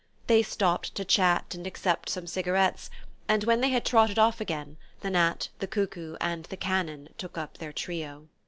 They stopped to chat and accept some cigarettes, and when they had trotted off again the gnat, the cuckoo and the cannon took up their trio...